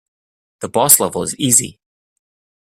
The boss level is easy.